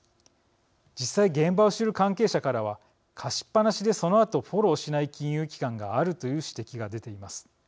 実際現場を知る関係者からは貸しっぱなしでそのあとフォローしない金融機関があるという指摘が出ています。